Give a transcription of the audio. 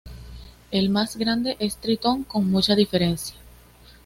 El más grande es Tritón con mucha diferencia.